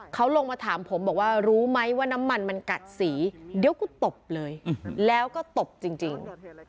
เขาลงมาถามผมบอกว่ารู้ไหมว่าน้ำมันมันกัดสีเดี๋ยวก็ตบเลยแล้วก็ตบจริง